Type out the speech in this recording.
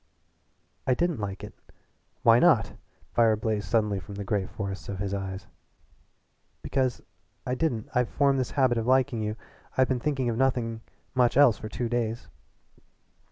"I didn't like it." "Why not?" Fire blazed suddenly from the gray forests of his eyes. "Because I didn't. I've formed the habit of liking you. I've been thinking of nothing much else for two days."